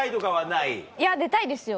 いや出たいですよ